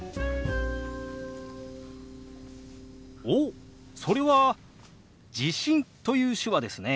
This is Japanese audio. おっそれは「地震」という手話ですね。